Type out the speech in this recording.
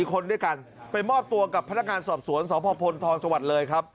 คนด้วยกันไปมอบตัวกับพนักงานสอบสวนสพพลทองจังหวัดเลยครับ